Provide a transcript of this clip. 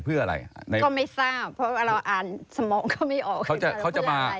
ก็ไม่ทราบเพราะเราอ่านสมองก็ไม่ออก